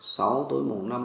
sáu tối mùng năm